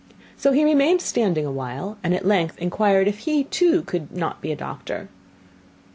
So he remained standing a while, and at length inquired if he too could not be a doctor.